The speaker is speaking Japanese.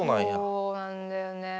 そうなんだよね。